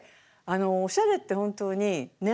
おしゃれって本当に年齢もね